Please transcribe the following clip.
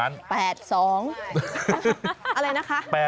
อะไรนะคะ